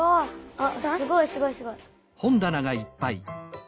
あっすごいすごいすごい。